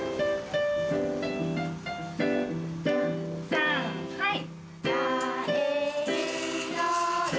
さんはい！